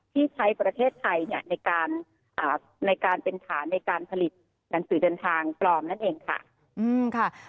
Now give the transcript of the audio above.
ที่ใช้ประเทศไทยเนี่ยในการเป็นฐานในการผลิตหนังสือเดินทางปลอมนั่นเองค่ะ